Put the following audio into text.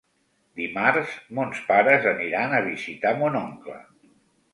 Dimarts mons pares aniran a visitar mon oncle.